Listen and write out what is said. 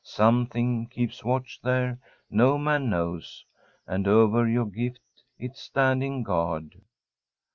Something keeps watch there, no man knows, And over your gift it's standing guard."